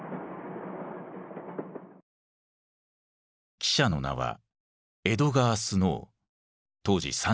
記者の名はエドガー・スノー当時３０歳。